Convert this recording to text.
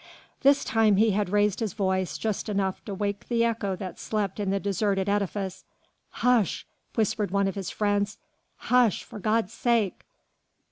This time he had raised his voice, just enough to wake the echo that slept in the deserted edifice. "Hush!" whispered one of his friends, "Hush! for God's sake!"